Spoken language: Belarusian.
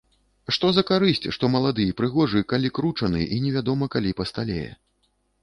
Што за карысць, што малады і прыгожы, калі кручаны і невядома калі пасталее.